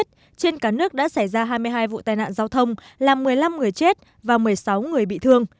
tức ngày hai mươi chín tết trên cả nước đã xảy ra hai mươi hai vụ tai nạn giao thông làm một mươi năm người chết và một mươi sáu người bị thương